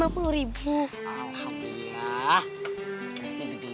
ada bapa bapa tadi yang jalan